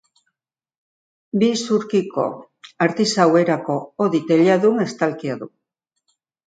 Bi isurkiko artisau erako hodi-teiladun estalkia du.